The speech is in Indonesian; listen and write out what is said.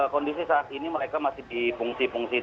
kondisi saat ini mereka masih di fungsi fungsi